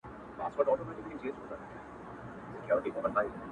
زه يې د ميني په چل څنگه پوه كړم ـ